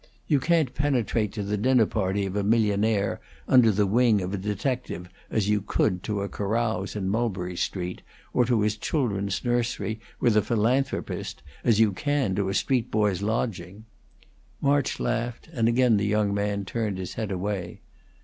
You can't penetrate to the dinner party of a millionaire under the wing of a detective as you could to a carouse in Mulberry Street, or to his children's nursery with a philanthropist as you can to a street boy's lodging house." March laughed, and again the young man turned his head away.